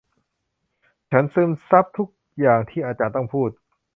ฉันซึมซับทุกอย่างที่อาจารย์ต้องพูด